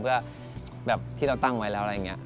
เพื่อแบบที่เราตั้งไว้แล้วอะไรอย่างนี้